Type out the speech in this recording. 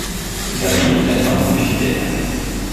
Da geht der Mann durch die Decke.